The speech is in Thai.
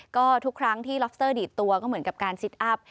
ก็ทุกครั้งที่ล็อบสเตอร์ดีดตัวก็เหมือนกับการซิตอัพ